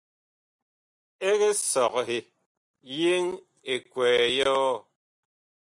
Eg sɔghe yeŋ ekwɛɛ yɔɔ ?